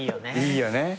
いいよね。